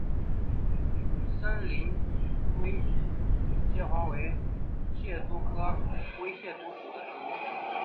森林微蟹蛛为蟹蛛科微蟹蛛属的动物。